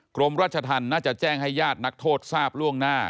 กรมราชธรรมน่าจะแจ้งให้ญาตินักโทษทราบล่วงหน้า